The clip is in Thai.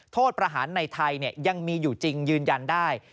โทษประหารในไทยยังมีอยู่จริงยืนยันได้